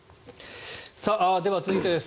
では、続いてです。